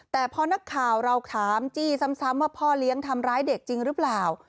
แต่พอนักข่าวเราถามจี้ซ้ำว่าพ่อเลี้ยงทำร้ายเด็กจริงหรือเปล่า